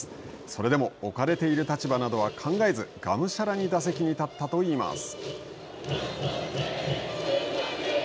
それでも置かれている立場などは考えずがむしゃらに打席に立ったといいます。